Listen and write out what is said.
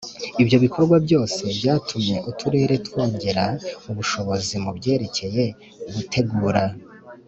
Ibyo bikorwa byose byatumye uturere twongera ubushobozi mu byerekeye gutegura